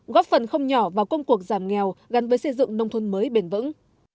góp phần không nhỏ vào công cuộc giảm nghèo gắn với xây dựng nông thôn mới bền vững